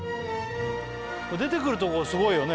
出てくるとこすごいよね